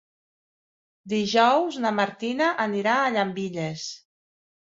Dijous na Martina anirà a Llambilles.